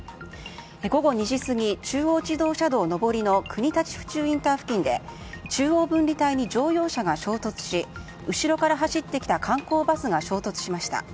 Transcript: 午後２時過ぎ中央自動車道下りの国立府中ＩＣ付近で中央分離帯に乗用車が衝突し後ろから走ってきた観光バスが衝突しました。